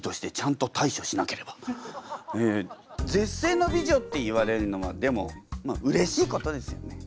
絶世の美女って言われるのはでもうれしいことですよね？